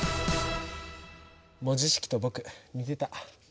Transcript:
文字式と僕似てた。